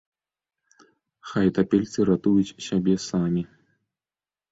Хай тапельцы ратуюць сябе самі.